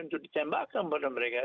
untuk ditembakkan pada mereka